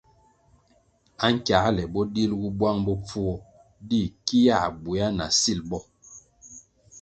Ankiāle bo dilgu bwang bopfuo di ki yā bwéa na sil bo.